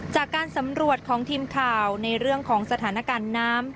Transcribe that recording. จากการสำรวจของทีมข่าวในเรื่องของสถานการณ์น้ำ